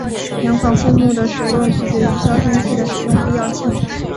两款护木的使用取决于消声器的使用必要性。